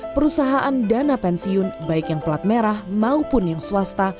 perusahaan dana pensiun baik yang pelat merah maupun yang swasta